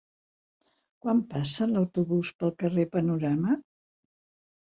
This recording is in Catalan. Quan passa l'autobús pel carrer Panorama?